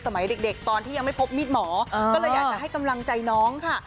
สมัยเด็กตอนที่ยังไม่พบมีดหมอก็เลยอยากจะให้กำลังใจน้องค่ะ